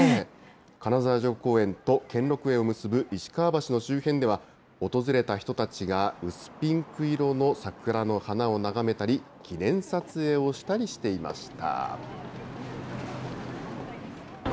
金沢城公園と兼六園を結ぶ石川橋の周辺では、訪れた人たちが薄ピンク色の桜の花を眺めたり、記念撮影をしたりしていました。